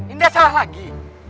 ini dia salah lagi